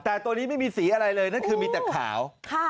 แต่ตัวนี้ไม่มีสีอะไรเลยนั่นคือมีแต่ขาว